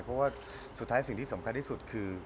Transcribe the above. เพราะว่าสุดท้ายสิ่งที่สำคัญที่สุดคือ